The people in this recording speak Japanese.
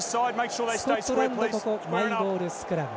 スコットランドのマイボールスクラム。